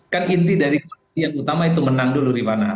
kan inti dari koalisi yang utama itu menang dulu rifana